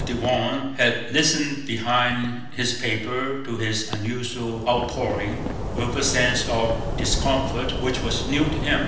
Devon had listened behind his paper to this unusual outpouring with a sense of discomfort which was new to him.